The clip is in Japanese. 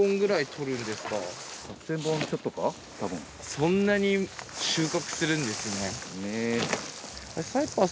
そんなに収穫するんですね。